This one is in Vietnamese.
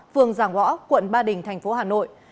phường giảng võ quận ba đình thành phố hà nội